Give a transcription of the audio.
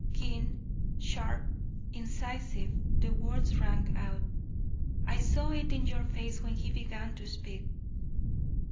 Keen, sharp, incisive, the words rang out. "I saw it in your face when he began to speak."